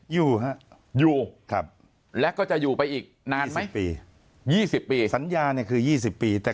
อยู่ครับแล้วก็จะอยู่ไปอีกนานไหม๒๐ปีสัญญาคือ๒๐ปีแต่